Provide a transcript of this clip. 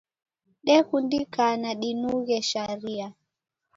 Dekundikana dinughe sharia